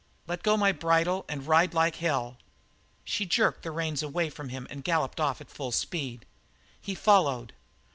Let go my bridle and ride like hell." She jerked the reins away from him and galloped off at full speed. He followed.